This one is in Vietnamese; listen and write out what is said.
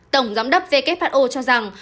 tổng giám đốc who cho rằng